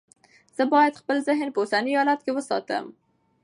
زه باید خپل ذهن په اوسني حالت کې وساتم.